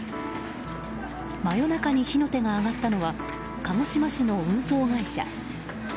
真夜中に火の手が上がったのは鹿児島市の運送会社。